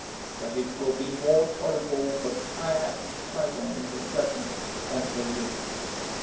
010:014 But it will be more tolerable for Tyre and Sidon in the judgment than for you.